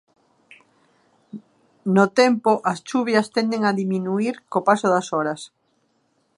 No tempo, as chuvias tenden a diminuír co paso das horas.